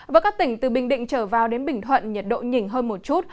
với các tỉnh từ bình định trở vào đến bình thuận nhiệt độ nhỉnh hơn một chút